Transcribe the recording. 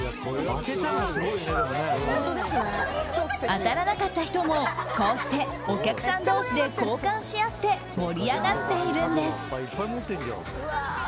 当たらなかった人もこうしてお客さん同士で交換し合って盛り上がっているんです。